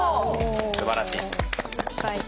すばらしい。